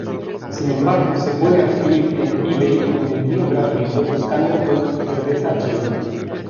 Sin embargo, se puede adquirir en eBay con envío gratuito buscando por "Cerveza China".